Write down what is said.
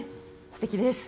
すてきです。